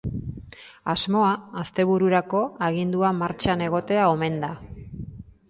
Asmoa astebururako agindua martxan egotea omen da.